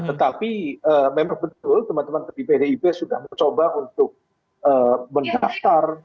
tetapi memang betul teman teman di pdip sudah mencoba untuk mendaftar